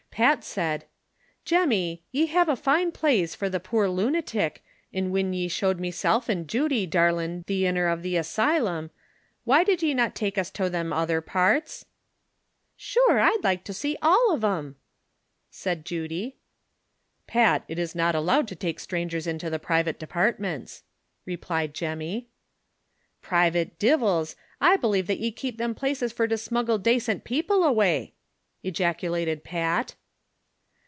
Pat said : "Jemmy, ye have a fine plaze fur the ])oor lunatick, an' whin ye showed meself an' Judy darlin' the inner ov the asylum, why did ye not take us tow them other parts V" "Shure, I'd like tow see all ov thim," said Judy. "Pat, it is not allowed to take strangers into the private departments," replied Jemmy. 6 82 THE SOCIAL WAR OF 1000; OR, " Privat divils ; I belave that ye kape thim places fur to smuggle dacent paople away," ejaculated Pat.